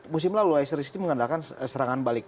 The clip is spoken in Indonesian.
musim lalu leicester city mengandalkan serangan balik